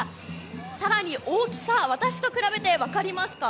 更に、大きさ私と比べて、分かりますか？